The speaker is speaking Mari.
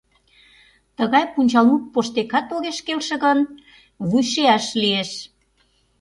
Тыгай пунчалмут поштекат огеш келше гын, вуйшияш лиеш.